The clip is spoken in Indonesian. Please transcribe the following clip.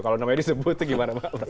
kalau namanya disebut gimana pak